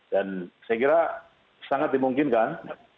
saya kira sangat dimungkinkan